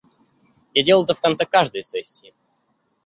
Я делал это в конце каждой сессии.